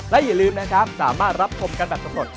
และอย่าลืมนะครับสามารถรับชมกันแบบสำรวจ